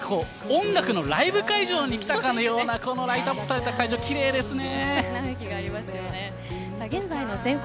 音楽のライブ会場に来たようなライトアップされた会場奇麗ですね。